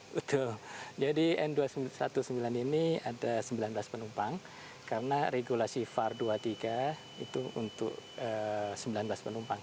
betul jadi n dua ratus sembilan belas ini ada sembilan belas penumpang karena regulasi far dua puluh tiga itu untuk sembilan belas penumpang